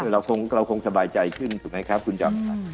เราคงสบายใจขึ้นถูกไหมครับคุณจอมขวัญ